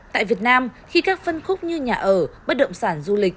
tại việt nam khi các phân khúc như nhà ở bất động sản du lịch